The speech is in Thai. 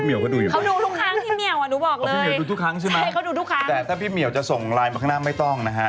มดเหล้าเข้าพรรษานะครับขอบอก